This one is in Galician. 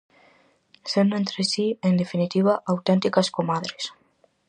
Sendo entre si, en definitiva, auténticas comadres.